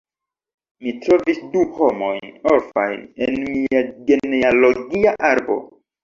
Mi trovis du homojn orfajn en mia genealogia arbo.